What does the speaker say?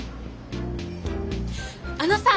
あのさあ。